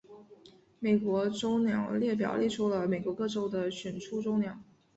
美国州鸟列表列出了美国各州的选出州鸟。